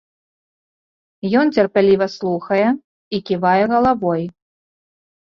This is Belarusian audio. Ён цярпліва слухае і ківае галавой.